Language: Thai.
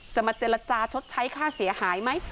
จะมาเจรจาชดใช้ค่าเสียหายไหม